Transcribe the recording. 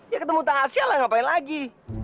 ya ketemu tak asia lah ngapain lagi